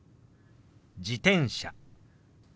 「自転車」。